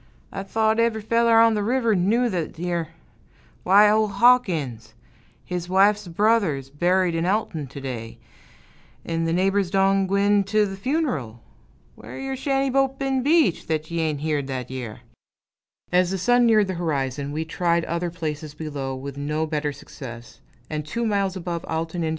I thote ev'ry feller on th' river knew thet yere why, ol' Hawkins, his wife's brother's buried in Alton to day, 'n' th' neighbors done gwine t' th' fun'ral. Whar your shanty boat been beached, thet ye ain' heared thet yere?" As the sun neared the horizon, we tried other places below, with no better success; and two miles above Alton, Ind.